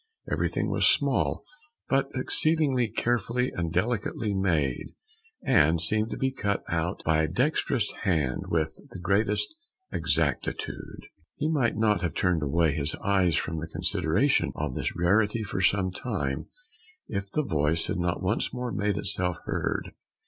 Everything was small, but exceedingly carefully and delicately made, and seemed to be cut out by a dexterous hand with the greatest exactitude. He might not have turned away his eyes from the consideration of this rarity for some time, if the voice had not once more made itself heard.